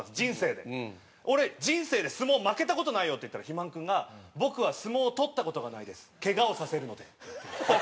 「俺人生で相撲負けた事ないよ」って言ったら肥満君が「僕は相撲をとった事がないです。ケガをさせるので」って。